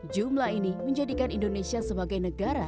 jumlah ini menjadikan indonesia sebagai negara